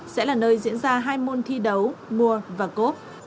sẽ là nơi diễn ra hai môn thi đấu muay và golf